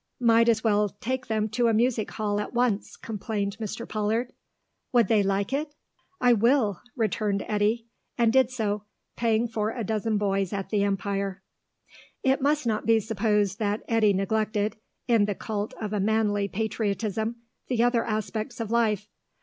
"Might as well take them to a music hall at once," complained Mr. Pollard. "Would they like it? I will," returned Eddy, and did so, paying for a dozen boys at the Empire. It must not be supposed that Eddy neglected, in the cult of a manly patriotism, the other aspects of life.